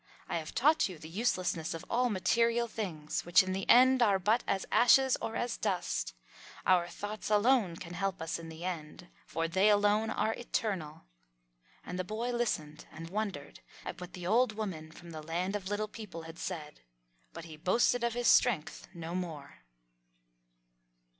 I have taught you the uselessness of all material things, which in the end are but as ashes or as dust. Our thoughts alone can help us in the end, for they alone are eternal." And the boy listened and wondered at what the old woman from the Land of Little People had said, but he boasted of his strength no more.